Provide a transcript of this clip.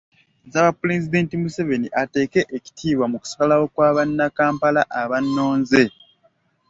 Nsaba Pulezidenti Museveni ateeke ekitiibwa mu kusalawo kwa bannakampala abannoonze.